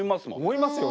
思いますよね。